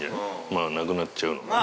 まあ亡くなっちゃうのはね。